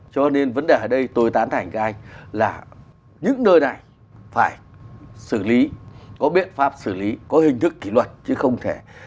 cho nên vấn đề ở đây tôi tán thành với anh là những nơi này phải xử lý có biện pháp xử lý có hình thức kỷ luật chứ không thể